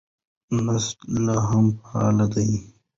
نسج لا هم فعال دی.